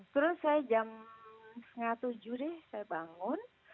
terus saya jam setengah tujuh deh saya bangun